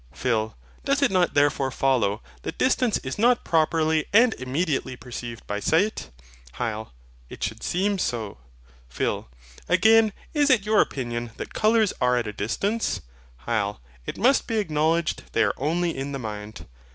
PHIL. Doth it not therefore follow that distance is not properly and immediately perceived by sight? HYL. It should seem so. PHIL. Again, is it your opinion that colours are at a distance? HYL. It must be acknowledged they are only in the mind.